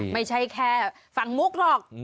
ไม่ใช่แค่ฝั่งมุกหรอก